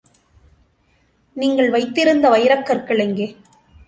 நீங்கள் வைத்திருந்த வைரக்கற்கள் எங்கே?